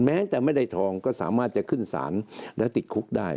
แม้แต่ไม่ได้ทองก็สามารถจะขึ้นศาลและติดคุกได้